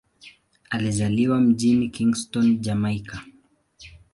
Alizaliwa mjini Kingston, Jamaika.